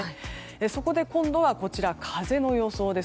そこで今度は風の予想です。